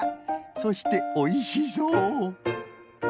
そしておいしそう。